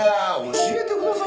教えてくださいよ。